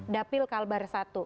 dapil kalbar i